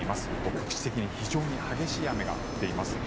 局地的に非常に激しい雨が降っています。